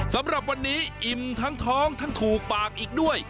สำหรับวันนี้อิ่มทั้งท้องทั้งถูกปากอีกด้วย